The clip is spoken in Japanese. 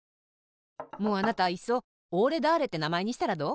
もうあなたいっそおーれだーれってなまえにしたらどう？